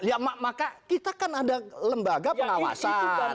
ya maka kita kan ada lembaga pengawasan